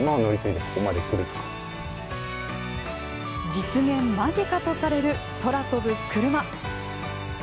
実現間近とされる空飛ぶクルマ。